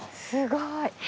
すごい。